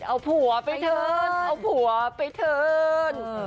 เอาผัวไปเถินเอาผัวไปเถิน